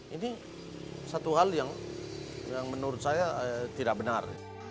ini satu hal yang menurut saya tidak benar